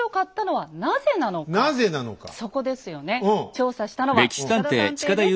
調査したのは近田探偵です。